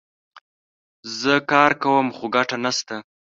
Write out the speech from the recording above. زه کار کوم ، خو ګټه نه سته